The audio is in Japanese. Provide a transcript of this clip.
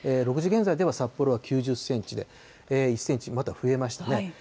６時現在では札幌は９０センチで、１センチまた増えましたね。